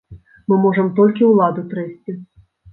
Мы можам толькі ўладу трэсці.